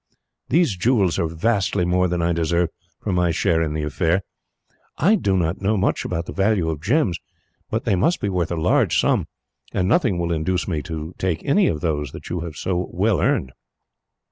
These jewels are vastly more than I deserve, for my share in the affair. I do not know much about the value of gems, but they must be worth a large sum, and nothing will induce me to take any of those that you have so well earned."